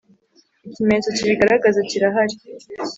Ikimenyetso kibigaragaza kirahari.